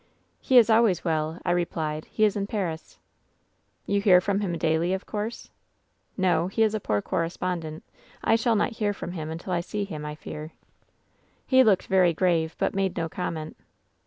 " 'He is always well,' I replied. 'He is in Paris.' " 'You hear from him daily, of course V " 'No. He is a poor correspondent. I shall not hear from him until I see him, I fear.' "He looked very grave, but made no comment.